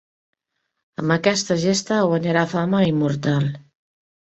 Amb aquella gesta guanyà fama immortal.